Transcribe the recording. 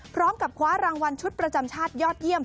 พร้อมกับคว้ารางวัลชุดประจำชาติยอดเยี่ยม